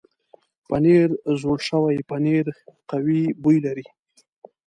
پنېر زوړ شوی پنېر قوي بوی لري.